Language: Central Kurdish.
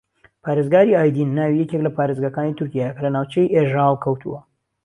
پارێزگای ئایدین ناوی یەکێک لە پارێزگاکانی تورکیایە کە لە ناوچەی ئێژە ھەڵکەوتووە